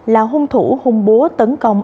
là hung thủ hung búa tấn công